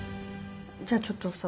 じゃあちょっとさ教えて。